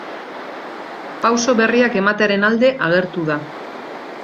Pauso berriak ematearen alde agertu da.